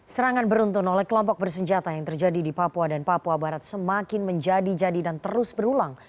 serangan beruntun oleh kelompok bersenjata yang terjadi di papua dan papua barat semakin menjadi jadi dan terus berulang